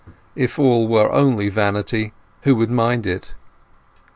If all were only vanity, who would mind it?